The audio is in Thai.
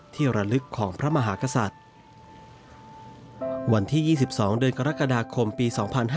ระลึกของพระมหากษัตริย์วันที่๒๒เดือนกรกฎาคมปี๒๕๕๙